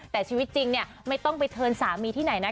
แต่ชีวิตจริงเนี่ยไม่ต้องไปเทินสามีที่ไหนนะ